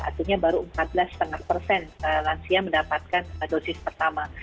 artinya baru empat belas lima persen lansia mendapatkan dosis pertama